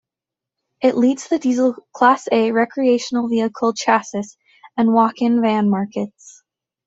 It leads the diesel Class A recreational vehicle chassis and walk-in van markets.